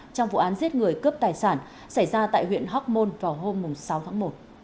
trong vụ án giết người cướp tài sản xảy ra tại huyện hoc mon vào hôm sáu tháng một